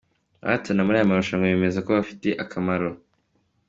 Abahatana muri aya marushanwa bemeza ko abafatiye akamararo.